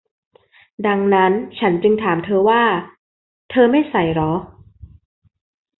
ดังนั้นฉันจึงถามเธอว่า - เธอไม่ใส่เหรอ ?